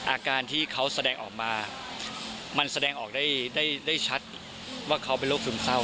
อาการที่เขาแสดงออกมามันแสดงออกได้ชัดว่าเขาเป็นโรคซึมเศร้า